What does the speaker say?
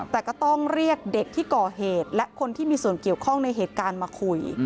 แต่ก็ต้องเรียกเด็กที่ก่อเหตุและคนที่มีส่วนเกี่ยวข้องในเหตุการณ์มาคุย